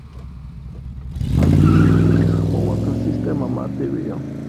ანდიური ენის ხმოვანთა სისტემა მარტივია.